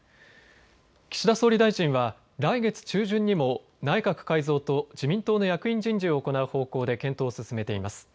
岸田総理大臣は来月中旬にも内閣改造と自民党の役員人事を行う方向で検討を進めています。